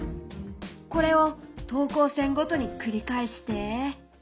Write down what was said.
これを等高線ごとに繰り返して。